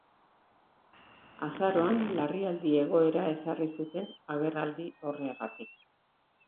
Azaroan larrialdi egoera ezarri zuten agerraldi horrengatik.